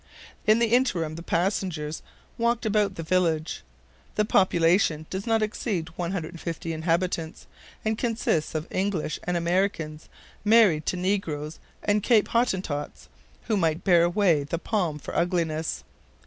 In the interim the passengers walked about the village. The population does not exceed 150 inhabitants, and consists of English and Americans, married to negroes and Cape Hottentots, who might bear away the palm for ugliness.